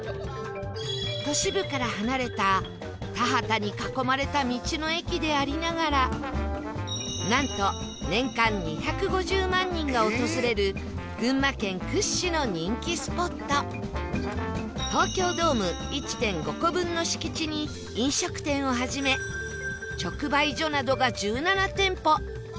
都市部から離れた田畑に囲まれた道の駅でありながらなんと年間２５０万人が訪れる群馬県屈指の人気スポット東京ドーム １．５ 個分の敷地に飲食店をはじめ直売所などが１７店舗